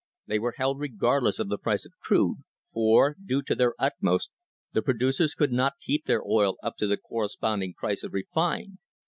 They were held regardless of the price of crude, f< , do their ut most, the producers could not keep their oil lp to the corre sponding price of refined.